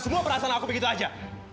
semua perasaan aku begitu aja